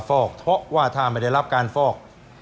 ก็ต้องชมเชยเขาล่ะครับเดี๋ยวลองไปดูห้องอื่นต่อนะครับ